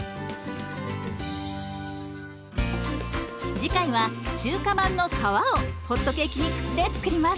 次回は中華まんの皮をホットケーキミックスで作ります。